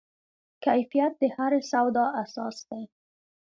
کیفیت د هرې سودا اساس دی.